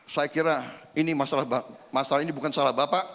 saya kira ini masalah ini bukan salah bapak